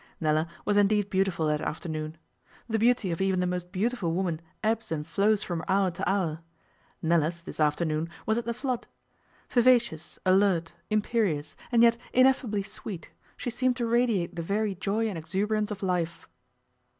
Nella was indeed beautiful that afternoon. The beauty of even the most beautiful woman ebbs and flows from hour to hour. Nella's this afternoon was at the flood. Vivacious, alert, imperious, and yet ineffably sweet, she seemed to radiate the very joy and exuberance of life.